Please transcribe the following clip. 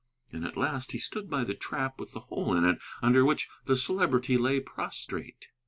And at last he stood by the trap with the hole in it, under which the Celebrity lay prostrate.